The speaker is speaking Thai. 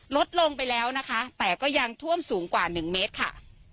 ลดลงไปแล้วนะคะแต่ก็ยังท่วมสูงกว่าหนึ่งเมตรค่ะ